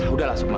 udah lah sukma